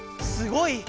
すごい！